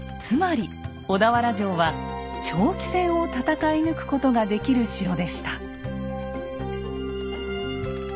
つまり小田原城は長期戦を戦い抜くことができる城でした。